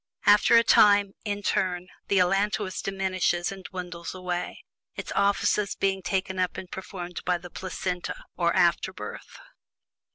After a time, in turn, the allantois diminishes and dwindles away, its offices being taken up and performed by the "placenta" or "afterbirth."